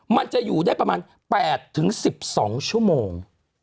มันจะอยู่ได้ประมาณ๘๑๒ชั่วโมง